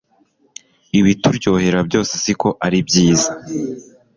ibituryohera byose siko aribyiza